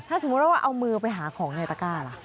ถ้าสมมุติว่าเอามือไปหาของในตะก้าล่ะ